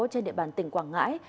trên địa bàn tỉnh quảng ngãi